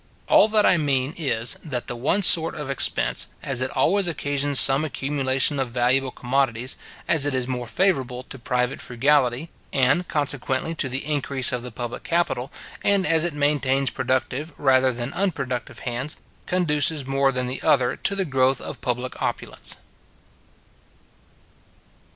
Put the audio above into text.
All that I mean is, that the one sort of expense, as it always occasions some accumulation of valuable commodities, as it is more favourable to private frugality, and, consequently, to the increase of the public capital, and as it maintains productive rather than unproductive hands, conduces more than the other to the growth of public opulence.